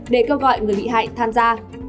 để kêu gọi người bị hại tham gia